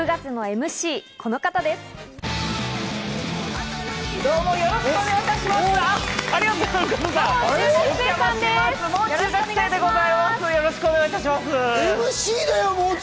ＭＣだよ、もう中！